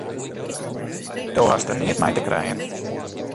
Do hast der neat mei te krijen!